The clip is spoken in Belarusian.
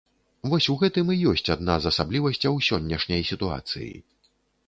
Вось у гэтым і ёсць адна з асаблівасцяў сённяшняй сітуацыі.